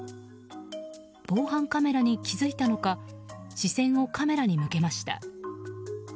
防犯カメラに気づいたのか視線をカメラに向けました。